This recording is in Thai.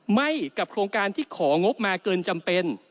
ไม่กับโครงการที่ของงบมาเกินจำเป็น